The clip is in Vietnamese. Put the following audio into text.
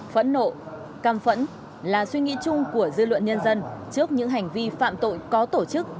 phẫn nộ cam phẫn là suy nghĩ chung của dư luận nhân dân trước những hành vi phạm tội có tổ chức